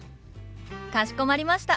かしこまりました。